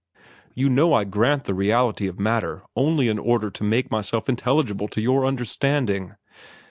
—You know I granted the reality of matter only in order to make myself intelligible to your understanding.